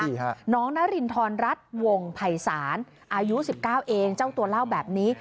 นี่ค่ะน้องนารินทรรัฐวงภัยศาลอายุ๑๙เองเจ้าตัวเล่าแบบนี้